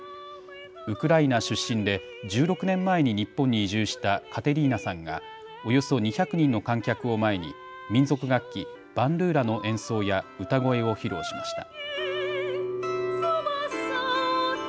ウクライナ出身で１６年前に日本に移住したカテリーナさんがおよそ２００人の観客を前に民族楽器、バンドゥーラの演奏や歌声を披露しました。